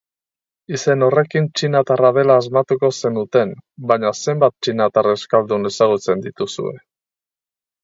Izen horrekin txinatarra dela asmatuko zenuten, baina zenbat txinatar euskadun ezagutzen dituzue?